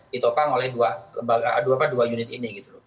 ditopang oleh dua unit ini